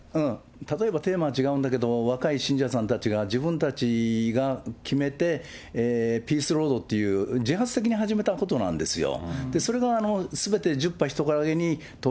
例えばね、テーマは違うんだけど、若い信者さんたちが、自分たちが決めて、ピースロードっていう、自発的に始めたことなんですよ。